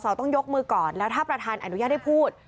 ต้องยกมือก่อนแล้วถ้าประธานอนุญาตได้พูด